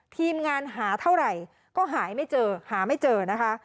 ทีมงานหาเท่าไหร่ก็หาไม่เจอหาไม่เจอนะคะ